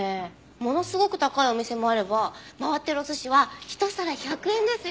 ものすごく高いお店もあれば回ってるお寿司は一皿１００円ですよ。